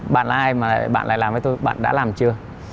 bạn là ai mà bạn lại làm với tôi bạn đã làm chưa